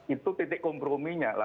itu titik komprominya